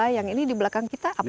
yang ini di belakang kita apa